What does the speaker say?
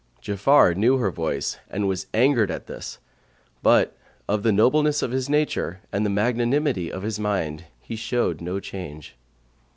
Ja'afar knew her voice and was angered at this, but, of the nobleness of his nature and the magnanimity of his mind he showed no change.